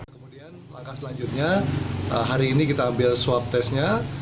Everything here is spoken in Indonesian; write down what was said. kemudian langkah selanjutnya hari ini kita ambil swab testnya